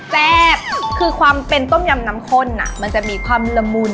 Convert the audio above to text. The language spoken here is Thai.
แซ่บคือความเป็นต้มยำน้ำข้นมันจะมีความละมุน